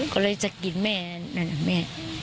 ก็เลยจะกินแม่แม่